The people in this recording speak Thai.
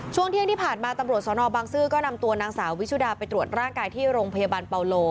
ช่วงเที่ยงที่ผ่านมาตำรวจสนบางซื่อก็นำตัวนางสาววิชุดาไปตรวจร่างกายที่โรงพยาบาลเปาโล